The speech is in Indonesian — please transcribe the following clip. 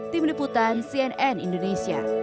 tim liputan cnn indonesia